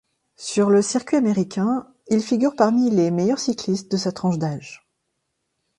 Sur le circuit américain, il figure parmi les meilleurs cyclistes de sa tranche d'âge.